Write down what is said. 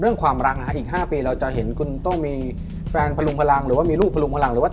เรื่องขวามรัง่าอีก๕ปีเราจะเห็นต้องมีแฟนพลุงพลังในเรื่องรื่องอยู่ต่อ